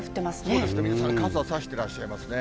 そうですね、みんな傘差してらっしゃいますね。